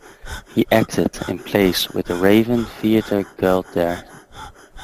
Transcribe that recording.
He acted in plays with The Raven Theatre Guild there.